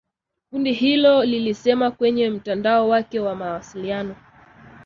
Kundi hilo lilisema kwenye mtandao wake wa mawasiliano